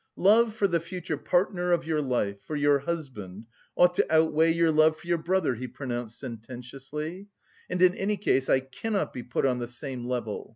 "Love for the future partner of your life, for your husband, ought to outweigh your love for your brother," he pronounced sententiously, "and in any case I cannot be put on the same level....